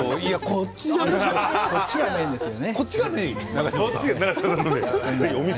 こっちがメインですよね。